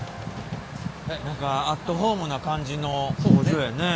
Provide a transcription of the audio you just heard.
何かアットホームな感じの工場やね。